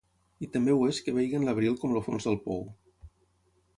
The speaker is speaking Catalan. I també ho és que vegin l’abril com el fons del pou.